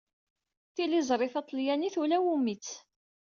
Tiliẓri taṭelyanit ulawumi-tt.